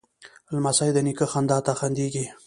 لمسی د نیکه خندا ته خندېږي.